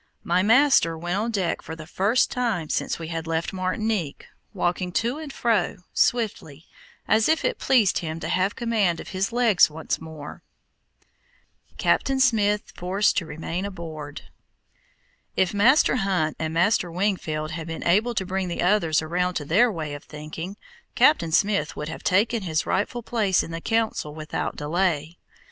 My master went on deck for the first time since we had left Martinique, walking to and fro swiftly, as if it pleased him to have command of his legs once more. If Master Hunt and Master Wingfield had been able to bring the others around to their way of thinking, Captain Smith would have taken his rightful place in the Council without delay.